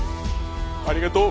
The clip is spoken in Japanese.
ありがとう！